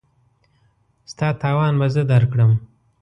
ستا تاوان به زه درکړم.